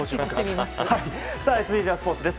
続いてはスポーツです。